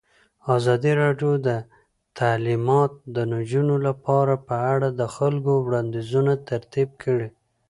ازادي راډیو د تعلیمات د نجونو لپاره په اړه د خلکو وړاندیزونه ترتیب کړي.